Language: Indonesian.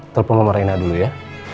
telepon sama rena dulu ya